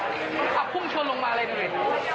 ต้องชนลงมาเลยหน่อย